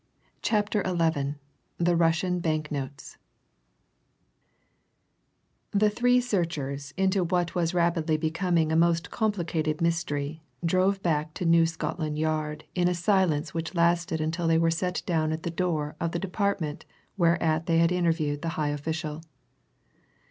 CHAPTER XI THE RUSSIAN BANK NOTES The three searchers into what was rapidly becoming a most complicated mystery drove back to New Scotland Yard in a silence which lasted until they were set down at the door of the department whereat they had interviewed the high official.